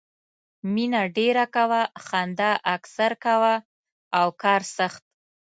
مینه ډېره کوه، خندا اکثر کوه او کار سخت.